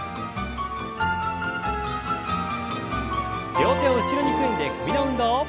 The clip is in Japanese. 両手を後ろに組んで首の運動。